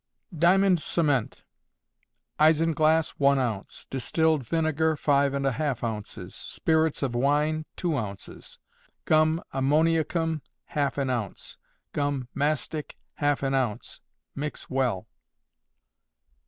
Diamond Cement. Isinglass, one ounce; distilled vinegar, five and a half ounces; spirits of wine, two ounces; gum ammoniacum, half an ounce; gum mastic, half an ounce. Mix well.